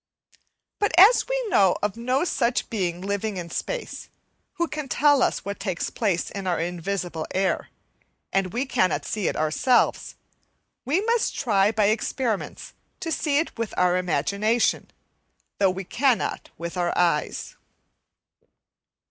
But as we know of no such being living in space, who can tell us what takes place in our invisible air, and we cannot see it ourselves, we must try by experiments to see it with our imagination, though we cannot with our eyes.